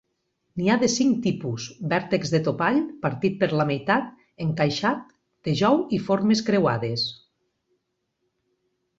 N'hi ha de cinc tipus, vèrtex de topall, partit per la meitat, encaixat, de jou y formes creuades.